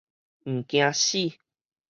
毋驚死